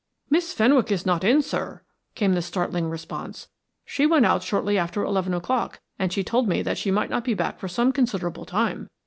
"Miss Fenwick is not in, sir," came the startling response. "She went out shortly after eleven o'clock, and she told me that she might not be back for some considerable time.